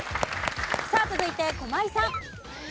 さあ続いて駒井さん。